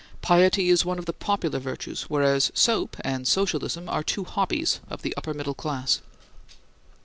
Piety is one of the popular virtues, whereas soap and Socialism are two hobbies of the upper middle class.